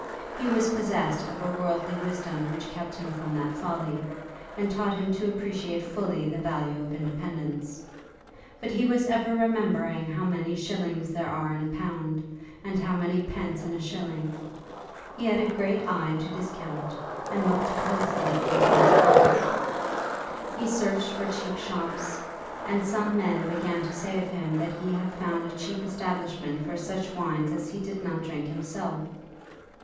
He was possessed of a worldly wisdom which kept him from that folly, and taught him to appreciate fully the value of independence. But he was ever remembering how many shillings there are in a pound, and how many pence in a shilling. He had a great eye to discount, and looked very closely into his bills. He searched for cheap shops; and some men began to say of him that he had found a cheap establishment for such wines as he did not drink himself!